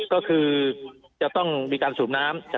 ก็คือจะต้องมีการสูบน้ำ